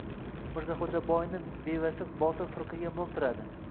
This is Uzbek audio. Mirzaxo‘jaboyni bevasi Botir firqaga mo‘ltiradi.